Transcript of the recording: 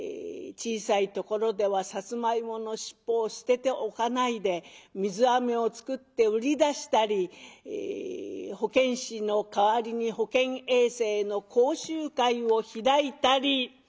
小さいところではさつまいもの尻尾を捨てておかないで水あめを作って売り出したり保健師の代わりに保健衛生の講習会を開いたり。